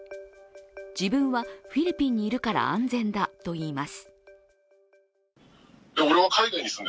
自分はフィリピンにいるから安全だといいます。